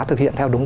thực hiện theo đúng